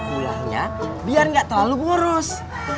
mulanya biar nggak terlalu burus